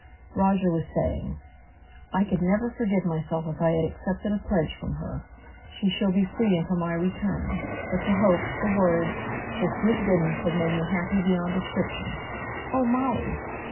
Roger was saying, "I could never forgive myself if I had accepted a pledge from her. She shall be free until my return; but the hope, the words, her sweet goodness, have made me happy beyond description. Oh, Molly!"